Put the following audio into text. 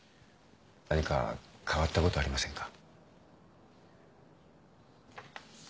何か変わったことありませんか？